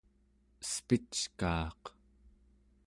espickaaq